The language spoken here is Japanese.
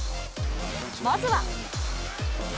まずは。